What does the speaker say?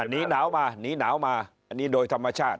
หนีหนาวมาหนีหนาวมาอันนี้โดยธรรมชาติ